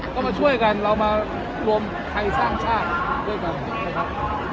ก็มาช่วยกันเรามาใครสร้างสร้างกลาน้ำ